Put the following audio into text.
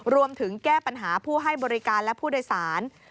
รวมถึงแก้ปัญหาผู้ให้บริการและผู้โดยสาร